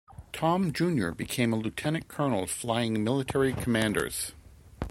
Tom Junior became a Lieutenant Colonel flying military commanders.